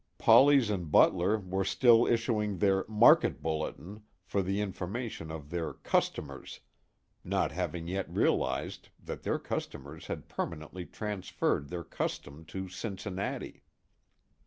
Polleys & Butler were still issuing their Market Bulletin for the information of their "customers," not having yet realized that their customers had permanently transferred their custom to Cincinnati.